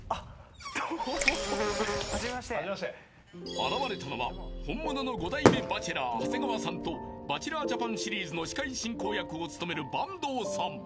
［現れたのは本物の５代目バチェラー長谷川さんと『バチェラー・ジャパン』シリーズの司会進行役を務める坂東さん］